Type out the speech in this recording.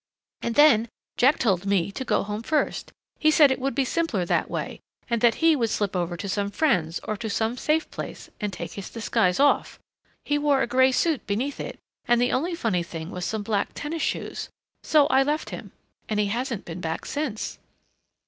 And then Jack told me to go home first he said it would be simpler that way and that he would slip over to some friend's or to some safe place and take his disguise off. He wore a gray suit beneath it, and the only funny thing was some black tennis shoes.... So I left him. And he hasn't been back since."